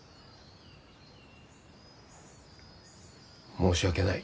申し訳ない。